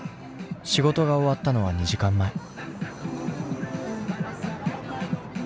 仕事が終わったのは２時間前。